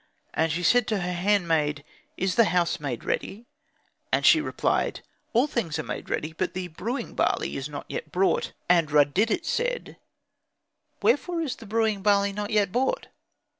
And she said to her handmaid, "Is the house made ready?" And she replied, "All things are made ready, but the brewing barley is not yet brought." And Rud didet said, "Wherefore is the brewing barley not yet brought?"